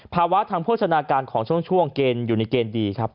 ภาวะทางโภชนาการของช่วงเกณฑ์อยู่ในเกณฑ์ดีครับ